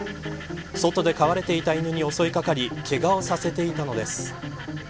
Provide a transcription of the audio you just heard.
外に飼われていた犬に襲いかかりけがをさせていたのです。